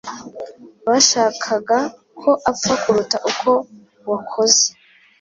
Bashakaga ko apfa kuruta uko wakoze.